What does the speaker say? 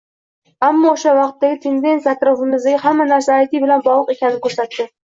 Ammo oʻsha vaqtdagi tendensiya atrofimizdagi hamma narsa AyTi bilan bogʻliq ekanini koʻrsatdi.